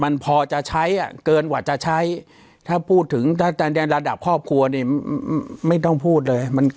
มันพอจะใช้อะเกินกว่าจะใช้ถ้าพูดถึงระดับคอบครัวไม่ต้องพูดเลย